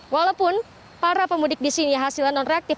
walaupun para pemudik di sini hasilnya non reaktif